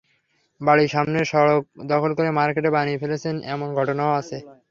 বাড়ির সামনের সড়ক দখল করে মার্কেট বানিয়ে ফেলেছেন এমন ঘটনাও আছে।